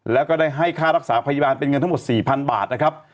แล้วก็ได้ให้ค่ารักษาพยาบาลเป็นเงินทั้งหมด๔๐๐๐บาทนะครับ